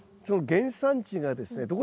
その原産地がですね